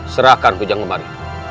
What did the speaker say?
serahkan kucang kembali